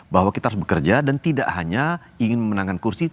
bahwa kita harus bekerja dan tidak hanya ingin memenangkan kursi